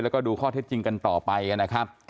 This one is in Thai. แล้วก็ดูข้อเท็จจริงกันต่อไปนะครับ